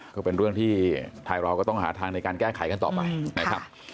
ก็เป็นเรื่องที่ไทยเราก็ต้องหาทางในการแก้ไขกันต่อไปนะครับ